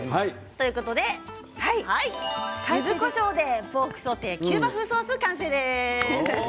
ゆずこしょうでポークソテーキューバ風ソース完成です。